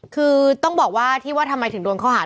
คือต้องบอกว่าที่ว่าทำไมถึงโดนข้อหา